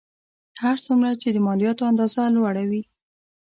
هر څومره چې د مالیاتو اندازه لوړه وي